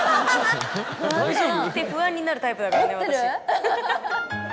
不安になるタイプだからね私。